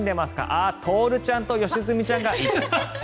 あっ徹ちゃんと良純ちゃんが。